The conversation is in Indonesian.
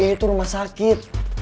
ini tuh rumah sakit